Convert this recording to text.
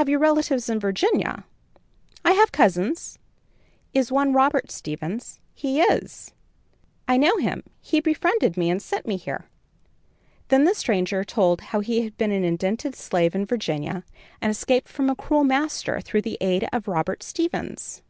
"Have you relatives in Virginia?" "I have cousins." "Is one Robert Stevens?" "He is." "I know him, he befriended me and sent me here." Then the stranger told how he had been an indented slave in Virginia, and escaped from a cruel master through the aid of Robert Stevens.